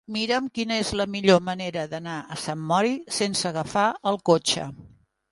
Mira'm quina és la millor manera d'anar a Sant Mori sense agafar el cotxe.